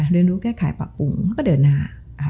เรียนรู้แก้ไขปรับปรุงแล้วก็เดินหน้า